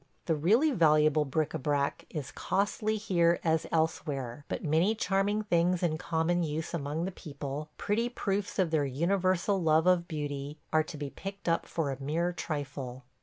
The really valuable bric à brac is costly here as elsewhere; but many charming things in common use among the people, pretty proofs of their universal love of beauty, are to be picked up for a mere trifle.